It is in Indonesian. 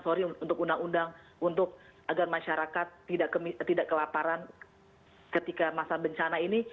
sorry untuk undang undang untuk agar masyarakat tidak kelaparan ketika masa bencana ini